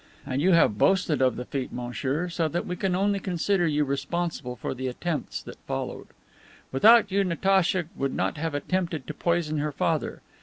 And you have boasted of the feat, monsieur, so that we can only consider you responsible for the attempts that followed. "Without you, Natacha would not have attempted to poison her father.